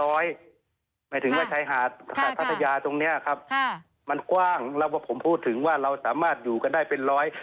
หมายถึงว่าชายหาดพัทยาตรงเนี้ยครับค่ะมันกว้างแล้วก็ผมพูดถึงว่าเราสามารถอยู่กันได้เป็นร้อย